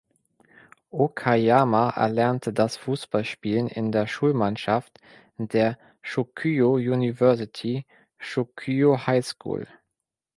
Okayama erlernte das Fußballspielen in der Schulmannschaft der "Chukyo University Chukyo High School".